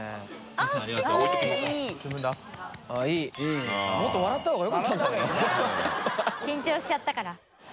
松田）緊張しちゃったから。